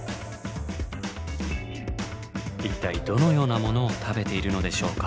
一体どのようなものを食べているのでしょうか？